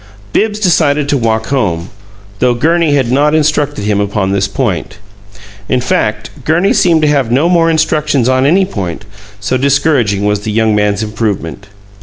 Bibbs decided to walk home, though Gurney had not instructed him upon this point. In fact, Gurney seemed to have no more instructions on any point, so discouraging was the young man's improvement.